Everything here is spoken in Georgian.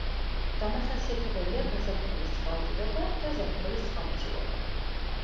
დამახასიათებელია გაზაფხულის წყალდიდობა და ზაფხულის წყალმცირობა.